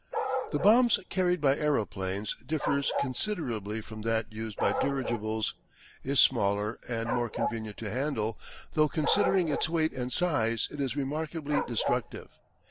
The bomb carried by aeroplanes differs consider ably from that used by dirigibles, is smaller and more convenient to handle, though considering its weight and size it is remarkably destructive.